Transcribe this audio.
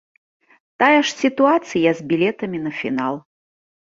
Тая ж сітуацыя з білетамі на фінал.